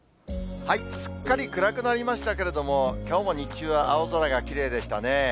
すっかり暗くなりましたけれども、きょうも日中は青空がきれいでしたね。